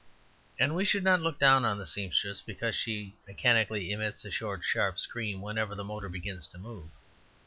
And we should not look down on the seamstress because she mechanically emits a short sharp scream whenever the motor begins to move.